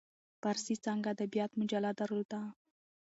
فارسي څانګه ادبیات مجله درلوده.